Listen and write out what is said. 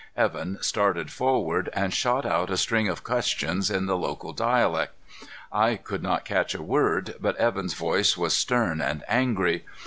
Evan started forward and shot out a string of questions in the local dialect. I could not catch a word, but Evan's voice was stern and angry.